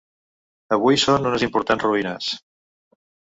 Avui són unes importants ruïnes.